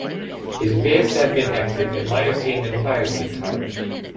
It appears to have been active in Miocene and Pliocene times.